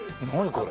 これ。